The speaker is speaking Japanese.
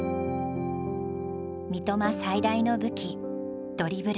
三笘最大の武器ドリブル。